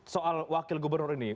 soal wakil gubernur ini